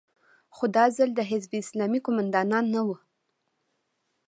خو دا ځل د حزب اسلامي قومندانان نه وو.